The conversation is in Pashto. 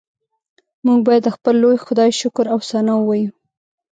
موږ باید د خپل لوی خدای شکر او ثنا ووایو